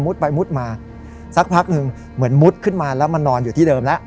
ไปมุดมาสักพักหนึ่งเหมือนมุดขึ้นมาแล้วมานอนอยู่ที่เดิมแล้ว